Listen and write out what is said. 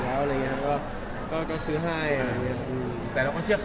ก็เอาอาการอะไรเค้าแข้งบางตัวเกี่ยว